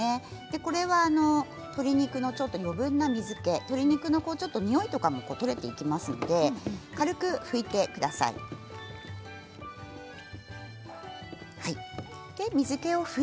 これは鶏肉の余分な水けとにおいとかも取れていきますので軽く拭いてください。